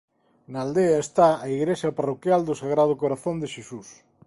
Na aldea está a igrexa parroquial do Sagrado Corazón de Xesús.